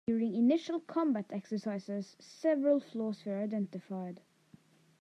During initial combat exercises, several flaws were identified.